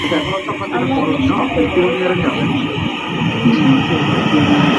আমার নিশ্চিত ধারণা এখানে একটা বড় কর্মক্ষেত্র আছে।